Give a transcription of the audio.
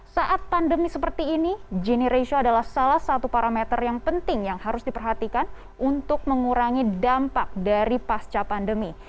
saat pandemi seperti ini gini ratio adalah salah satu parameter yang penting yang harus diperhatikan untuk mengurangi dampak dari pasca pandemi